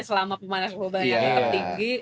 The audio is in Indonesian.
selama pemanasan global yang tetap tinggi